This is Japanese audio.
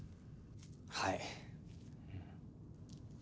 はい。